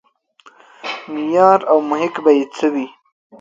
معیار او محک به یې څه وي.